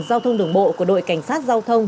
giao thông đường bộ của đội cảnh sát giao thông